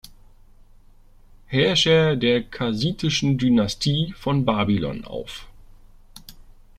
Herrscher der kassitischen Dynastie von Babylon auf.